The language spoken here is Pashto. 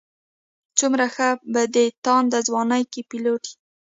څومره ښه په دې تانده ځوانۍ کې پيلوټ یې.